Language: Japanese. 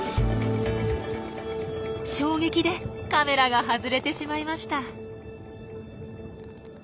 衝撃でカメラが外れてしまいました。